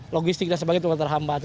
logistik dan sebagainya tidak terhambat